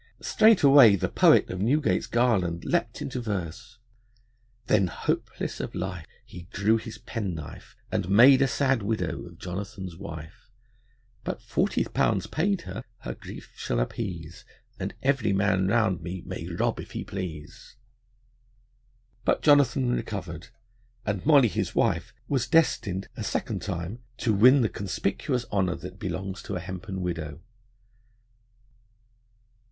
Straightway the poet of Newgate's Garland leaped into verse: Then hopeless of life, He drew his penknife, And made a sad widow of Jonathan's wife. But forty pounds paid her, her grief shall appease, And every man round me may rob, if he please. But Jonathan recovered, and Molly, his wife, was destined a second time to win the conspicuous honour that belongs to a hempen widow.